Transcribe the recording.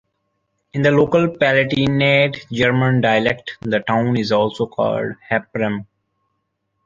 In the local Palatinate German dialect, the town is also called "Hepprum".